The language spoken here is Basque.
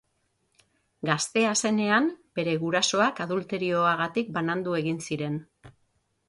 Gaztea zenean, bere gurasoak adulterioagatik banandu egin ziren.